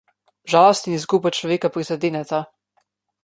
Žalost in izguba človeka prizadeneta.